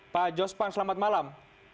pak jospan selamat malam